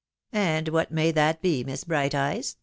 " And what may that be, Miss Brighteyes